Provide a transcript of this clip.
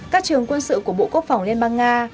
các trường quân sự của bộ quốc phòng liên bang nga